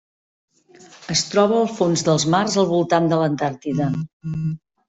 Es troba al fons dels mars al voltant de l'Antàrtida.